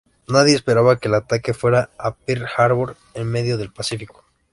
Nadie esperaba que el ataque fuera a Pearl Harbor, en medio del Pacífico.